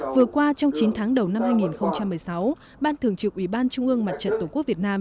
vừa qua trong chín tháng đầu năm hai nghìn một mươi sáu ban thường trực ủy ban trung ương mặt trận tổ quốc việt nam